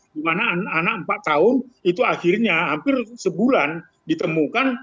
dimana anak empat tahun itu akhirnya hampir sebulan ditemukan